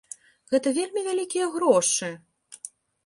Гэта вельмі вялікія грошы!